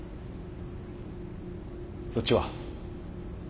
そっちは？